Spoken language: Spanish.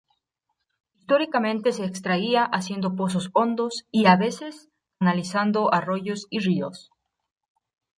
Históricamente se extraía haciendo pozos hondos y, a veces, canalizando arroyos o ríos.